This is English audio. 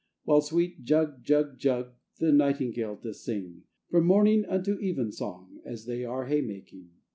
While sweet, jug, jug, jug! The nightingale doth sing, From morning unto even song, As they are hay making.